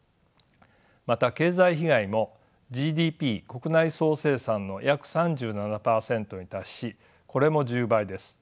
また経済被害もＧＤＰ国内総生産の約３７％に達しこれも１０倍です。